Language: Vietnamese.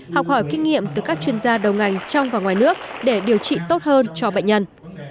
học hỏi kinh nghiệm từ các chuyên gia đầu ngành trong và ngoài nước để điều trị tốt hơn cho bệnh nhân